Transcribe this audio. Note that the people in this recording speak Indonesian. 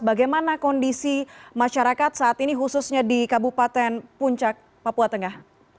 bagaimana kondisi masyarakat saat ini khususnya di kabupaten puncak papua tengah